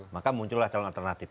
maka muncullah calon alternatif